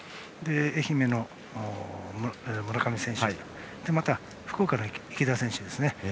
愛媛の村上選手また福岡の池田選手ですね。